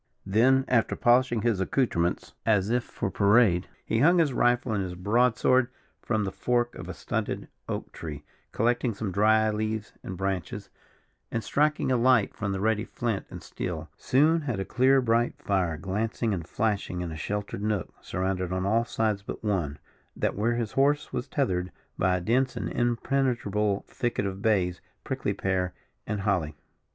Then, after polishing his accoutrements, as if for parade, he hung his rifle and his broad sword from the fork of a stunted oak tree, collecting some dry leaves and branches, and, striking a light from the ready flint and steel, soon had a clear bright fire glancing and flashing in a sheltered nook surrounded on all sides but one, that where his horse was tethered, by a dense and impenetrable thicket of bays, prickly pear and holly.